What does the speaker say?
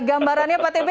gambarannya pak atb